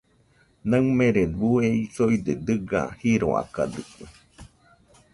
Naɨmerede bueisoide dɨga jiroakadɨkue.